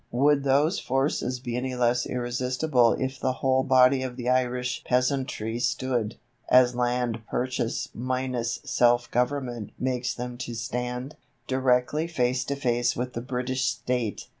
Would those forces be any less irresistible if the whole body of the Irish peasantry stood, as Land Purchase minus Self Government makes them to stand, directly face to face with the British State?